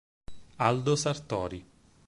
Aldo Sartori